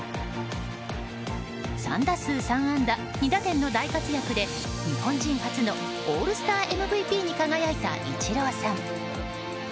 ３打数３安打２打点の大活躍で日本人初のオールスターＭＶＰに輝いたイチローさん。